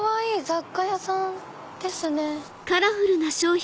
雑貨屋さんですね。